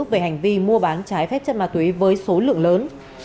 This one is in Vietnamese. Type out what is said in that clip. về hành vi mua bán trái phép chất ma túy với số lượng lớn